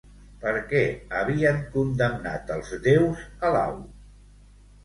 Per què havien condemnat els déus a l'au?